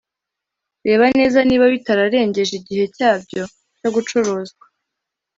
reba neza niba bitararengeje igihe cyabyo cyo gucuruzwa